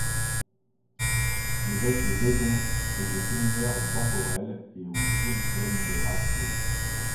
L'évêque de Vaison était seigneur au temporel et au spirituel de Rasteau.